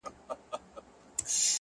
نن د هر گل زړگى په وينو رنـــــگ دى،